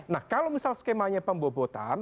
nah kalau misal skemanya pembobotan